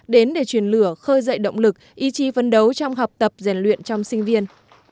đến để truyền lửa khơi dậy động lực ý chí phấn đấu trong học tập rèn luyện trong sinh viên